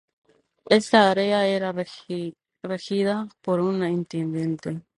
Esta área era regida por un intendente.